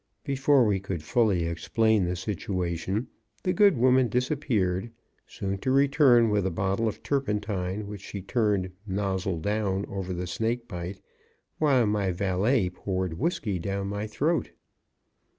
Before we could fully explain the situation, the good woman disappeared, soon to return with a bottle of turpentine, which she turned nozzle down over the snake bite, while my valet poured whiskey down my throat.